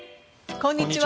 こんにちは。